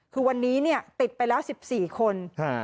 คือวันนี้ติดไปแล้ว๑๔คน